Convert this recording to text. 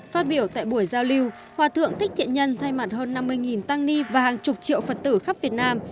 phát biểu tại buổi giao lưu hòa thượng thích thiện nhân thay mặt hơn năm mươi tăng ni và hàng chục triệu phật tử khắp việt nam